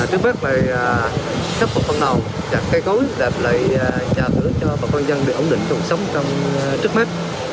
trước mắt khắp một phần đầu chặt cây cối để trả thưởng cho bà con dân địa ổn định trong cuộc sống trong trước mắt